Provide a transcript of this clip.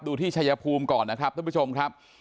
ที่ชัยภูมิก่อนนะครับท่านผู้ชมครับ